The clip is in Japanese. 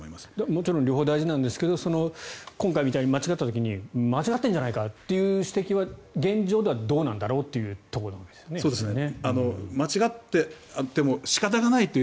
もちろん両方大事なんですが今回みたいに間違った時に間違っているんじゃないかっていう指摘は現状ではどうなんだろうっていうところなわけですよね。